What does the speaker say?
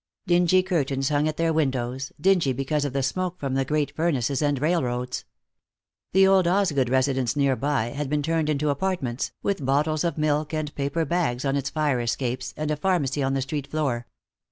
Dingy curtains hung at their windows, dingy because of the smoke from the great furnaces and railroads. The old Osgood residence, nearby, had been turned into apartments, with bottles of milk and paper bags on its fire escapes, and a pharmacy on the street floor.